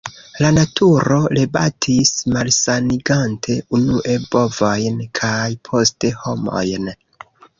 La “naturo rebatis, malsanigante unue bovojn kaj poste homojn.